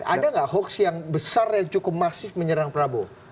ada nggak hoax yang besar yang cukup masif menyerang prabowo